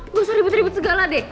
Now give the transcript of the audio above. gak usah ribet ribet segala deh